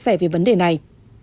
chia sẻ về vấn đề này